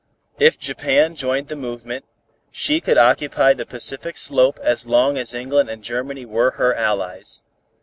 If Japan joined the movement, she could occupy the Pacific Slope as long as England and Germany were her allies.